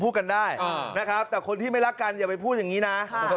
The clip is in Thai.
พูดกันได้นะครับแต่คนที่ไม่รักกันอย่าไปพูดอย่างนี้นะ